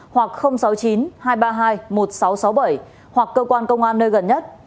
hoặc sáu mươi chín hai trăm ba mươi hai một nghìn sáu trăm sáu mươi bảy hoặc cơ quan công an nơi gần nhất